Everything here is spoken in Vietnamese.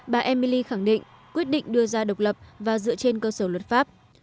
bà emily khẳng định quyết định đưa ra độc lập và dựa trên cơ sở luật pháp